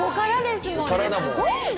すごいな！